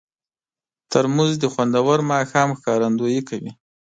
ترموز د خوندور ماښام ښکارندویي کوي.